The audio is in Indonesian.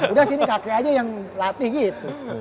udah sini kakek aja yang latih gitu